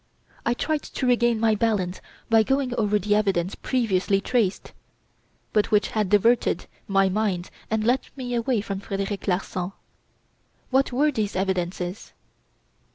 I tried to regain my balance by going over the evidences previously traced, but which had diverted my mind and led me away from Frederic Larsan. What were these evidences?